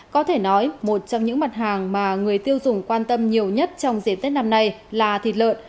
có thể nói một trong những mặt hàng mà người tiêu dùng quan tâm nhiều nhất trong dịp tết năm nay là thịt lợn